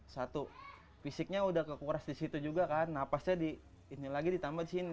satu fisiknya udah kekuras di situ juga kan napasnya di ini lagi ditambah di sini